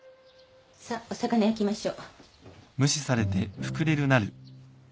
さっお魚焼きましょ。